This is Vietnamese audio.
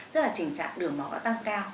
tức là trình trạng đường máu có tăng cao